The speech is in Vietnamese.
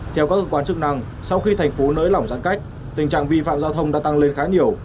theo các cơ quan chức năng sau khi thành phố nới lỏng giãn cách tình trạng vi phạm giao thông đã tăng lên khá nhiều